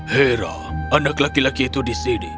hera anak laki laki itu di sini